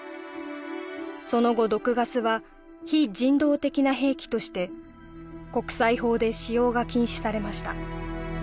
その後毒ガスは非人道的な兵器として国際法で使用が禁止されました